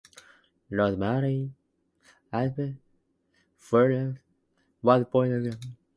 Rosemary Isabel Forbes was born in Paris, France, to American parents.